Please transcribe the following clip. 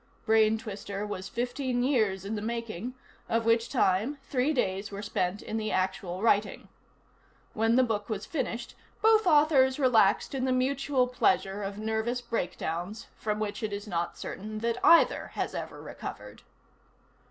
BRAIN TWISTER was fifteen years in the making, of which time three days were spent in the actual writing. When the book was finished, both authors relaxed in the mutual pleasure of nervous breakdowns, from which it is not certain that either has ever recovered.